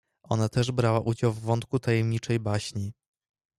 Ona też brała udział w wątku tajemniczej baśni.